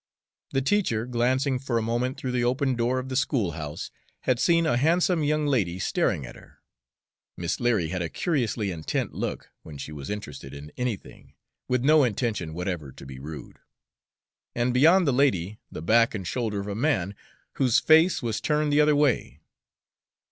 The teacher, glancing for a moment through the open door of the schoolhouse, had seen a handsome young lady staring at her, Miss Leary had a curiously intent look when she was interested in anything, with no intention whatever to be rude, and beyond the lady the back and shoulder of a man, whose face was turned the other way.